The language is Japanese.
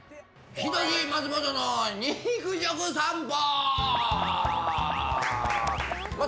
人志松本の肉食さんぽ！